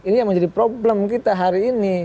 ini yang menjadi problem kita hari ini